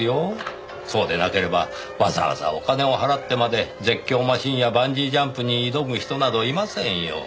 そうでなければわざわざお金を払ってまで絶叫マシンやバンジージャンプに挑む人などいませんよ。